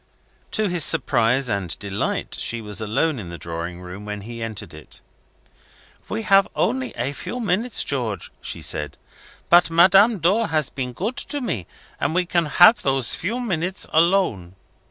To his surprise and delight, she was alone in the drawing room when he entered it. "We have only a few minutes, George," she said. "But Madame Dor has been good to me and we can have those few minutes alone."